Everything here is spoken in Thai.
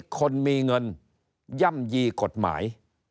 คนมีเงินย่ำยีกฎหมาย